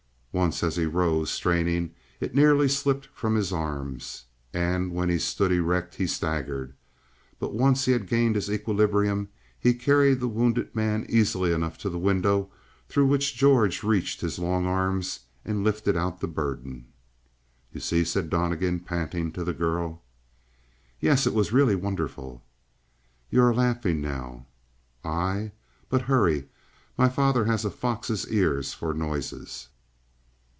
Once, as he rose, straining, it nearly slipped from his arms; and when he stood erect he staggered. But once he had gained his equilibrium, he carried the wounded man easily enough to the window through which George reached his long arms and lifted out the burden. "You see?" said Donnegan, panting, to the girl. "Yes; it was really wonderful!" "You are laughing, now." "I? But hurry. My father has a fox's ear for noises."